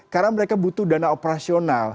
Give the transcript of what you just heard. karena mereka butuh dana operasional